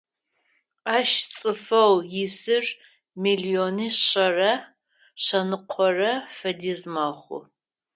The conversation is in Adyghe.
Ащ цӏыфэу исыр миллиони шъэрэ шъэныкъорэ фэдиз мэхъу.